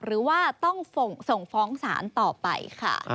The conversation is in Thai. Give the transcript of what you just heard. หรือว่าต้องส่งฟ้องศาลต่อไปค่ะ